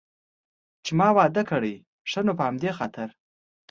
چې ما واده کړی، ښه نو په همدې خاطر.